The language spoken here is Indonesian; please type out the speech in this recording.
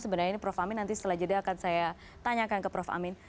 sebenarnya ini prof amin nanti setelah jeda akan saya tanyakan ke prof amin